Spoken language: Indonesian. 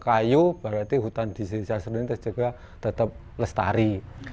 kayu berarti hutan disgeser ini juga tetap lestari